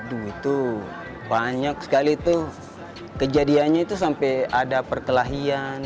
aduh itu banyak sekali tuh kejadiannya itu sampai ada perkelahian